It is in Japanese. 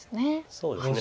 そうですね。